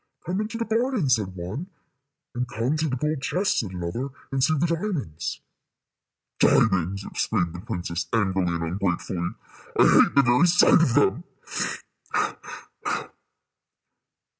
"Come into the garden," said one; and "Come to the gold chests," said another, "and see the diamonds." "Diamonds!" exclaimed the princess, angrily and ungratefully: "I hate the very sight of them.